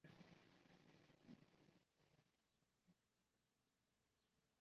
有子王尹和娶张云航之女为妻。